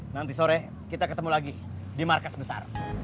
nanti sore kita ketemu lagi di markas besar